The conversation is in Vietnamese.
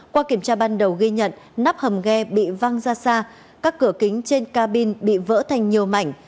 qua kiểm tra ban đầu ghi nhận nắp hầm ghe bị văng ra xa các cửa kính trên cabin bị vỡ thành nhiều mảnh